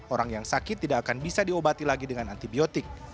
orang yang sakit tidak akan bisa diobati lagi dengan antibiotik